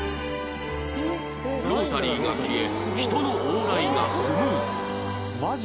ロータリーが消え人の往来がスムーズに